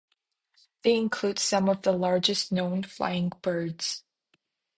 They include some of the largest known flying birds.